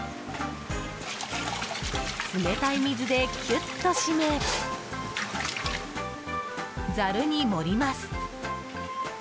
冷たい水できゅっと締めざるに盛ります。